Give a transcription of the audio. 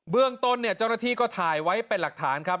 เรื่องต้นเนี่ยเจ้าหน้าที่ก็ถ่ายไว้เป็นหลักฐานครับ